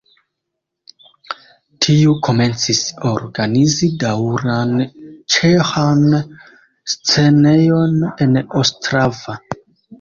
Tiu komencis organizi daŭran ĉeĥan scenejon en Ostrava.